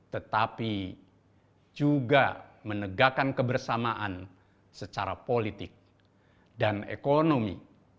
tetapi juga menegakkan kebersamaan secara politik dan ekonomi